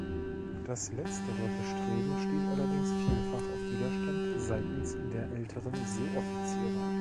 Das letztere Bestreben stieß allerdings vielfach auf Widerstand seitens der älteren Seeoffiziere.